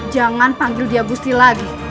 jangan panggil dia gusti lagi